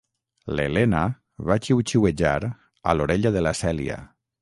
L'Helena va xiuxiuejar a l'orella de la Cèlia.